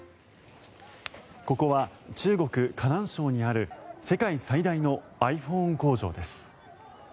ここは中国・河南省にある世界最大のｉＰｈｏｎｅ工場です。